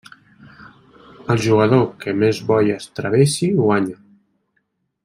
El jugador que més boies travessi guanya.